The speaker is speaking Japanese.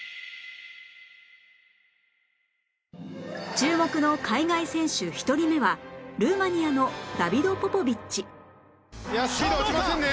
注目の海外選手１人目はルーマニアのダビド・ポポビッチスピード落ちませんね。